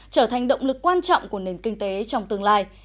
trở thành động lực quan trọng của nền kinh tế trong tương lai